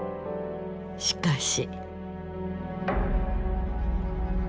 しかし。